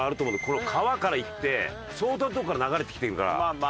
この川からいって相当なとこから流れてきてるから。